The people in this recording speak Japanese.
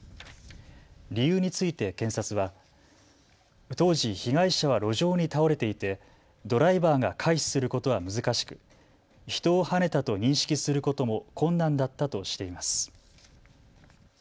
理由について検察は当時、被害者は路上に倒れていてドライバーが回避することは難しく、人をはねたと認識することも困難だったとしています。